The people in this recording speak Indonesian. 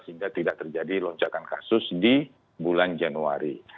sehingga tidak terjadi lonjakan kasus di bulan januari